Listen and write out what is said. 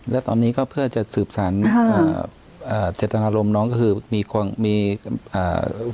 และตอนนี้ก็เพื่อจะสืบสารอ่าอ่าเจตนารมณ์น้องก็คือมีความมีอ่า